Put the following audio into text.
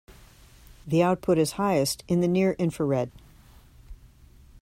The output is highest in the near infrared.